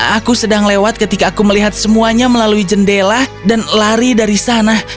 aku sedang lewat ketika aku melihat semuanya melalui jendela dan lari dari sana